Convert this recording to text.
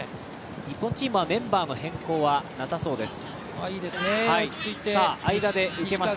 日本チームはメンバーの変更はなさそうです。